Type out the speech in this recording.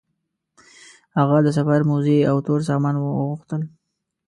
هغه د سفر موزې او تور سامان وغوښتل.